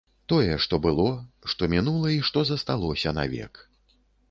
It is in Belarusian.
Тое, што было, што мінула і што засталося навек.